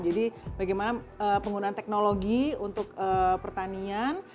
jadi bagaimana penggunaan teknologi untuk pertanian